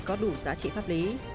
có đủ giá trị pháp luật